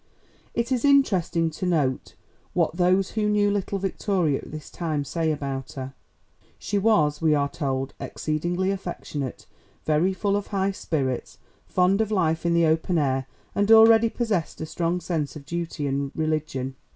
It is interesting to note what those who knew little Victoria at this time say about her. She was, we are told, exceedingly affectionate, very full of high spirits, fond of life in the open air, and already possessed a strong sense of duty and religion.